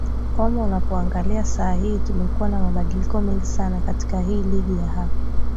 kwamba unapoangalia saa hii tumekuwa na mabadiliko mengi sana katika hii ligi ya hapa